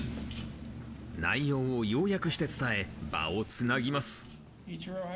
内容を要約して伝え、場をつなぎます。